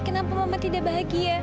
kenapa mama tidak bahagia